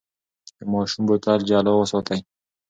د ماشوم بوتل جلا وساتئ.